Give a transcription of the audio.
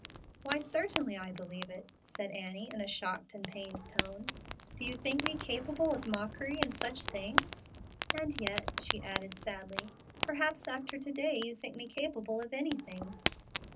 "Why, certainly I believe it," said Annie, in a shocked and pained tone. "Do you think me capable of mockery in such things? And yet," she added, sadly, "perhaps after to day you think me capable of anything."